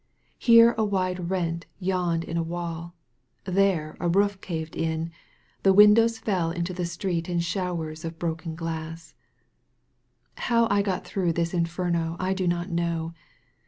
Here a wide rent yawned in a wall — ^there a roof caved in — ^the win dows fell into the street in showers of broken How I got through this inferno I do not know.